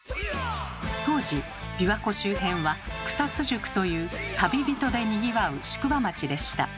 当時琵琶湖周辺は草津宿という旅人でにぎわう宿場町でした。